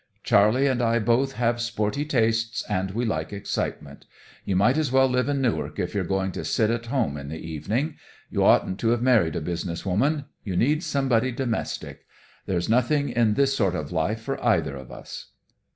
"Charley and I both have sporty tastes, and we like excitement. You might as well live in Newark if you're going to sit at home in the evening. You oughtn't to have married a business woman; you need somebody domestic. There's nothing in this sort of life for either of us."